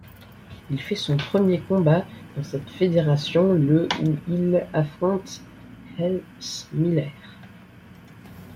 Il fait son premier combat dans cette fédération le où il affronte Heath Miller.